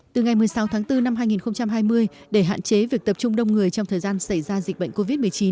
từ ngày một mươi sáu tháng bốn năm hai nghìn hai mươi để hạn chế việc tập trung đông người trong thời gian xảy ra dịch bệnh covid một mươi chín